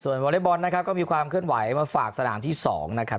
วอเล็กบอลนะครับก็มีความเคลื่อนไหวมาฝากสนามที่๒นะครับ